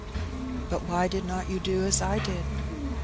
" But why did not you do as I did